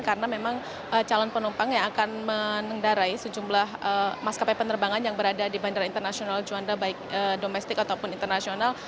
karena memang calon penumpang yang akan menendarai sejumlah maskapai penerbangan yang berada di bandara internasional juanda baik domestik ataupun internasional